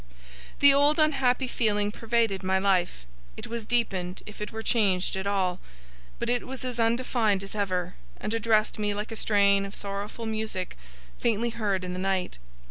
The old unhappy feeling pervaded my life. It was deepened, if it were changed at all; but it was as undefined as ever, and addressed me like a strain of sorrowful music faintly heard in the night.